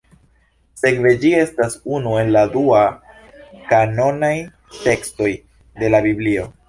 Sekve ĝi estas unu el la dua-kanonaj tekstoj de la Biblio.